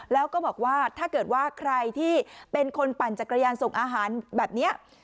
แล้วก็บอกว่าถ้าเกิดว่าใครที่เป็นคนปั่นจักรยานส่งอาหารแบบนี้